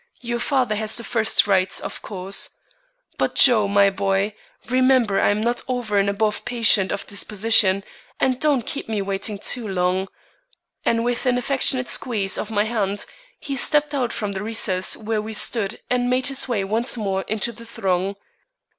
"Your father has the first rights, of course. But Joe, my boy, remember I am not over and above patient of disposition, and don't keep me waiting too long." And with an affectionate squeeze of my hand, he stepped out from the recess where we stood and made his way once more into the throng.